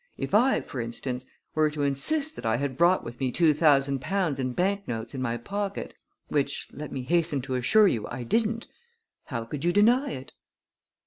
If I, for instance, were to insist that I had brought with me two thousand pounds in banknotes in my pocket which, let me hasten to assure you, I didn't how could you deny it?"